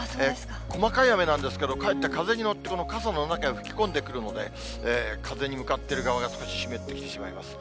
細かい雨なんですけど、かえって風に乗って傘の中へ吹き込んでくるので、風に向かっている側が少し湿ってきてしまいます。